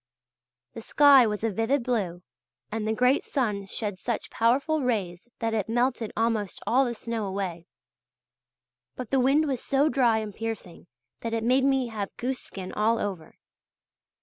The sky was a vivid blue and the great sun shed such powerful rays that it melted almost all the snow away. But the wind was so dry and piercing that it made me have goose skin all over.